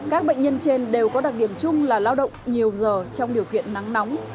các bệnh nhân trên đều có đặc điểm chung là lao động nhiều giờ trong điều kiện nắng nóng